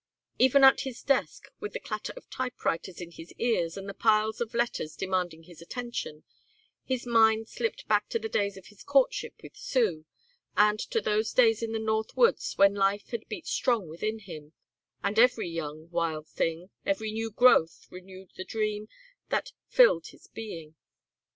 Even at his desk with the clatter of typewriters in his ears and the piles of letters demanding his attention, his mind slipped back to the days of his courtship with Sue and to those days in the north woods when life had beat strong within him, and every young, wild thing, every new growth renewed the dream that filled his being.